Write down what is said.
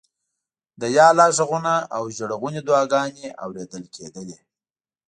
د یا الله غږونه او ژړغونې دعاګانې اورېدل کېدلې.